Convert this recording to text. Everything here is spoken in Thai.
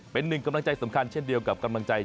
เป็นหนึ่งกำลังใจสำคัญเช่นเดียวกับกำลังใจ